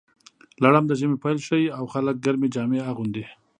لړم د ژمي پیل ښيي، او خلک ګرمې جامې اغوندي.